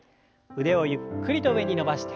腕をゆっくりと上に伸ばして。